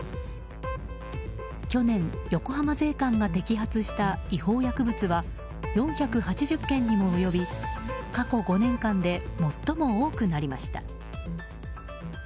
去年横浜税関が摘発した違法薬物は４８０件にも及び過去５年間で最も多くなりました。